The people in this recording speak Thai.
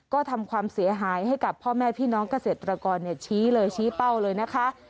ก็ทำความเสียหายให้กับพ่อแม่พี่น้องเกษตรกรชี้เลยชี้เป้าเลยนะคะ